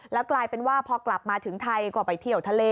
แล้วกลายเป็นว่าพอกลับมาถึงไทยก็ไปเที่ยวทะเล